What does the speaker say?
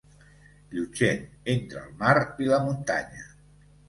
Llutxent, entre el mar i la muntanya.